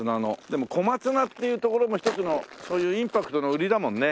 でも小松菜っていうところも一つのそういうインパクトの売りだもんね。